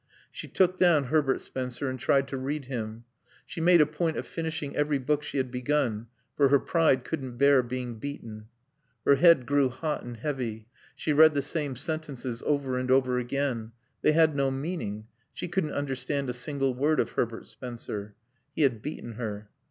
She took down Herbert Spencer and tried to read him. She made a point of finishing every book she had begun, for her pride couldn't bear being beaten. Her head grew hot and heavy: she read the same sentences over and over again; they had no meaning; she couldn't understand a single word of Herbert Spencer. He had beaten her.